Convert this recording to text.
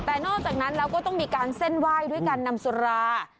แต่นอกจากนั้นแล้วก็ต้องมีการเส้นไหว้ด้วยการนำสุรา